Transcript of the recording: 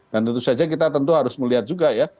dan tentu saja kita harus melihat juga ya